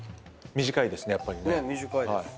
短いです。